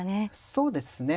そうですね。